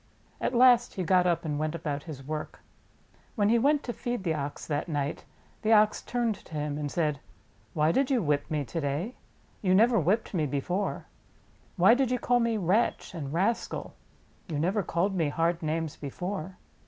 At last he got up and went about his work. When 23 THE OX WHO WON THE FORFEIT he went to feed the Ox that night, the Ox turned to him and said: "Why did you whip me to day ? You never whipped me before. Why did you call me 'wretch' and 'rascal'? You never called me hard names before."